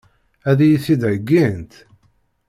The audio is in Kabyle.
Ad iyi-t-id-heggint?